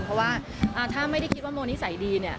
เพราะว่าถ้าไม่ได้คิดว่าโมนิสัยดีเนี่ย